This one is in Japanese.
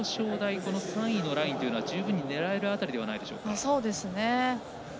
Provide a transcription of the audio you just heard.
この３位のラインというのは十分に狙える辺りではないでしょうか。